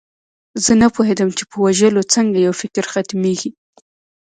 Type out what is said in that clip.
زه نه پوهېدم چې په وژلو څنګه یو فکر ختمیږي